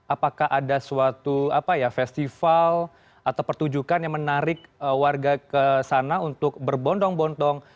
apakah ada suatu apa ya festival atau pertujukan yang menarik warga ke sana untuk berbontong bontong